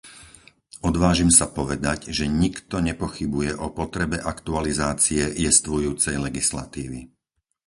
Odvážim sa povedať, že nikto nepochybuje o potrebe aktualizácie jestvujúcej legislatívy.